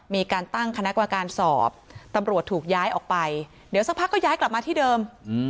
มีการตั้งคณะกรรมการสอบตำรวจถูกย้ายออกไปเดี๋ยวสักพักก็ย้ายกลับมาที่เดิม